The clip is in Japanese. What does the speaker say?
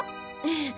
ええ。